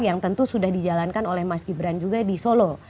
yang tentu sudah dijalankan oleh mas gibran juga di solo